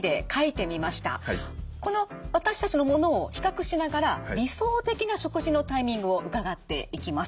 この私たちのものを比較しながら理想的な食事のタイミングを伺っていきます。